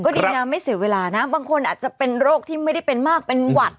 ก็ดีนะไม่เสียเวลานะบางคนอาจจะเป็นโรคที่ไม่ได้เป็นมากเป็นหวัด